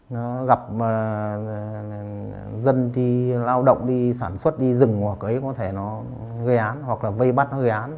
nó gặp dân đi lao động đi sản xuất đi rừng hoặc cấy có thể nó gây án hoặc là vây bắt nó gây án